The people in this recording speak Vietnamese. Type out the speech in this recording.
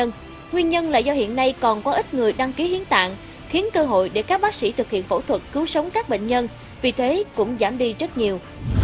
nguyên nhân là do hiện nay còn có ít người đăng ký hiến tạng khiến cơ hội để các bác sĩ thực hiện phẫu thuật cứu sống các bệnh nhân vì thế cũng giảm đi rất nhiều